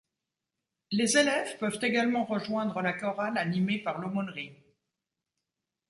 Les élèves peuvent également rejoindre la chorale animée par l’aumônerie.